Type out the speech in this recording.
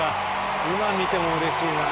今見てもうれしいな。